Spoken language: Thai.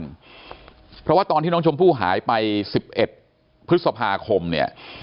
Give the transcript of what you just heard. เพราะว่าตอนที่น้องชมพู่หายไป๑๑พฤษภาคมเนี่ย